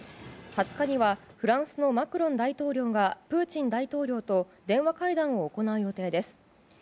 ２０日にはフランスのマクロン大統領がプーチン大統領と電話会談を行う予定です。